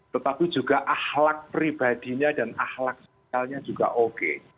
tetapi juga ahlak pribadinya dan ahlak sosialnya juga oke